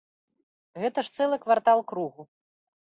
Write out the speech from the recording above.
Гэта ж цэлы квартал кругу.